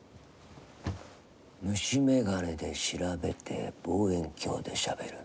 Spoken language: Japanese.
虫眼鏡で調べて望遠鏡でしゃべる。